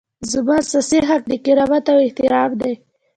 زموږ اساسي حق د کرامت او احترام دی.